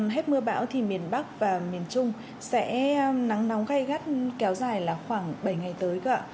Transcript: hết mưa bão thì miền bắc và miền trung sẽ nắng nóng gây gắt kéo dài là khoảng bảy ngày tới gạ